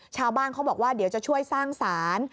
ชาวบ้านเขาบอกว่าเดี๋ยวจะช่วยสร้างสาร